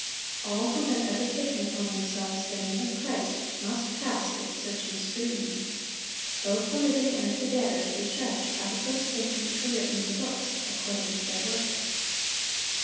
All who have ever taken upon themselves the name of Christ must pass its searching scrutiny. Both the living and the dead are to be judged "out of those things which were written in the books, according to their works."